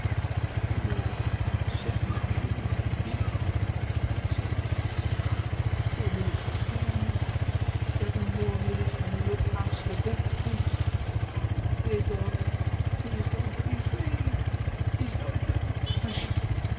Finally Seppi drew a deep breath and said: "Two minutes to ten. Seven minutes more and he will pass the death point. Theodor, he is going to be saved! He's going to " "Hush!